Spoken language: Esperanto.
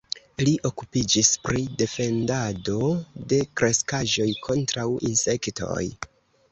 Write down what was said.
Li okupiĝis pri defendado de kreskaĵoj kontraŭ insektoj.